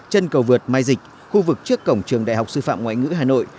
chân cầu vượt mai dịch khu vực trước cổng trường đại học sư phạm ngoại ngữ hà nội